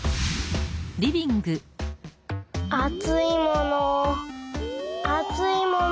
あついものあついもの。